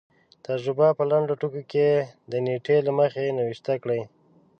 تجربه په لنډو ټکو کې د نېټې له مخې نوشته کړي.